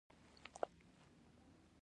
د پي ایچ متر څه دنده لري.